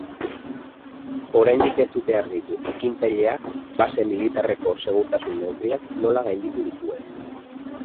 Oraindik ez dute argitu ekintzaileak base militarreko segurtasun neurriak nola gainditu dituen.